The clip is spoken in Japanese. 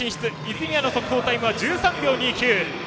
泉谷の速報タイム１３秒２９。